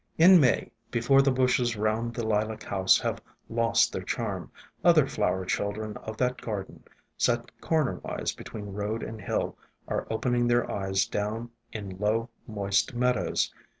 In May, before the bushes round the Lilac House have lost their charm, other flower children of that garden, set cornerwise between road and hill, are opening their eyes down in low, moist meadows.